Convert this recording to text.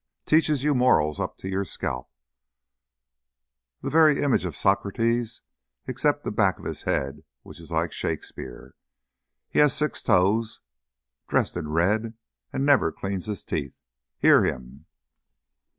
Teaches you Morals up to your Scalp! The very image of Socrates, except the back of his head, which is like Shakspeare. He has six toes, dresses in red, and never cleans his teeth. Hear HIM!"